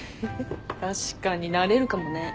確かになれるかもね。